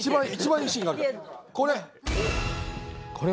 これ。